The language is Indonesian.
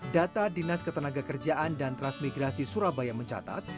data dinas ketenaga kerjaan dan transmigrasi surabaya mencatat